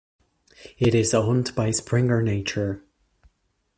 It is owned by Springer Nature.